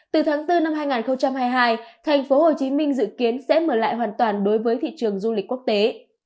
từ tháng bốn năm hai nghìn hai mươi hai thành phố hồ chí minh dự kiến sẽ mở lại hoàn toàn đối với thị trường du lịch quốc tế